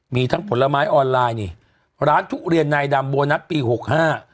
มีทั้งผลไม้ออนไลน์นี่ร้านทุเรียนนายดำโบนัสปีหกห้า